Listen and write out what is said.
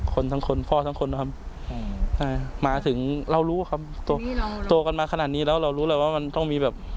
คนทั้งคนพ่อทั้งคนนะครับมาถึงเรารู้ครับตัวกันมาขนาดนี้แล้วเรารู้แล้วว่ามันต้องมีแบบ